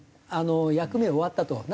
役目終わったと。